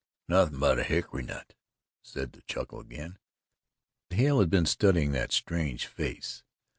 "Nothin' but a hickory nut," said the chuckle again. But Hale had been studying that strange face.